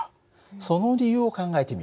その理由を考えてみよう。